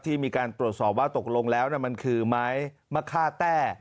ที่มีการตรวจสอบว่าตกลงแล้วมันคือไม้มะค่าแต้